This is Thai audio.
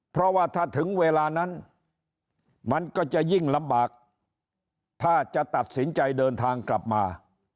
เพราะว่าถ้าถึงเวลานั้นมันก็จะยิ่งลำบากถ้าจะตัดสินใจเดินทางกลับมา